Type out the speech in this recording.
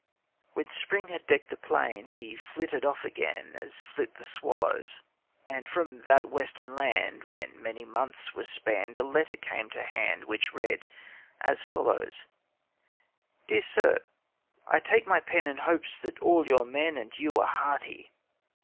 When spring had decked the plain, He flitted off again As flit the swallows. And from that western land, When many months were spanned, A letter came to hand, Which read as follows: 'Dear sir, I take my pen In hopes that all your men And you are hearty.